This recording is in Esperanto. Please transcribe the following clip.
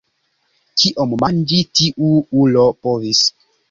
Kiom manĝi tiu ulo povis!